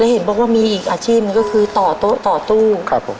และเห็นบอกว่ามีอีกอาชีพก็คือต่อตู้